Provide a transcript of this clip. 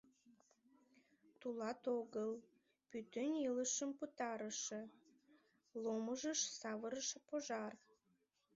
Тулат огыл — пӱтынь илышым пытарыше, ломыжыш савырыше пожар.